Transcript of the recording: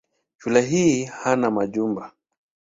Shule hii hana majumba.